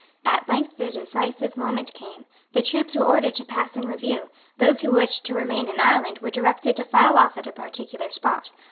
At length the decisive moment came. The troops were ordered to pass in review. Those who wished to remain in Ireland were directed to file off at a particular spot.